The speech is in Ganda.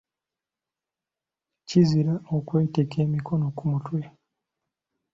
Kizira okwetikka emikono ku mutwe.